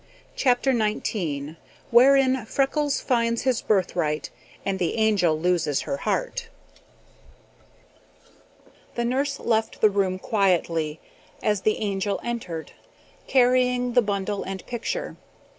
CHAPTER XIX Wherein Freckles Finds His Birthright and the Angel Loses Her Heart The nurse left the room quietly, as the Angel entered, carrying the bundle and picture.